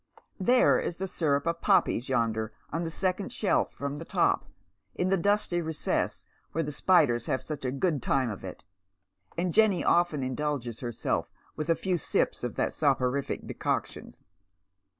There is the sy.up of poppies yonder on the second shelf from the top, in the dusty recess where the spiders have such a good time of it, and Jenny often indulges herself with a few sips of that soporific decuctiua.